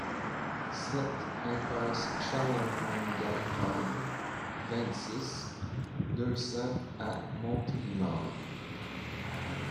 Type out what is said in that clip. sept impasse Charles-Antoine Gailhard, vingt-six, deux cents à Montélimar